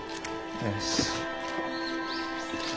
よし。